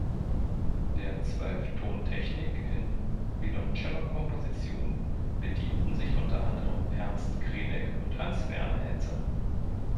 Der Zwölftontechnik in Violoncello-Kompositionen bedienten sich unter anderen Ernst Krenek und Hans Werner Henze.